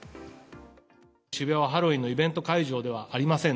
渋谷はハロウィーンのイベント会場ではありません。